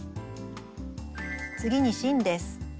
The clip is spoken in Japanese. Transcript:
次に芯です。